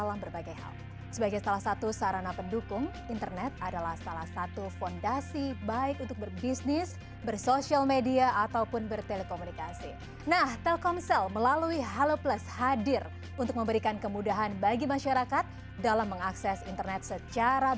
sampai jumpa di video selanjutnya